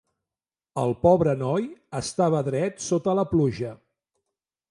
El pobre noi estava dret sota la pluja.